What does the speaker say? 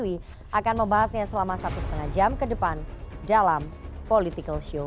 kami akan membahasnya selama satu lima jam ke depan dalam political show